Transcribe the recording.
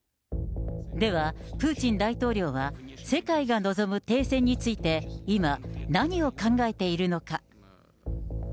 では、プーチン大統領は世界が望む停戦について、今、何を考えているのか。